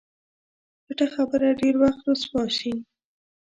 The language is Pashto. پټه خبره ډېر وخت رسوا شي.